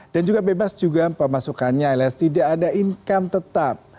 dan juga bebas juga pemasukannya tidak ada income tetap